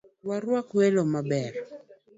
Warwak welo maber